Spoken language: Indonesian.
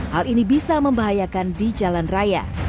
hal ini bisa membahayakan di jalan raya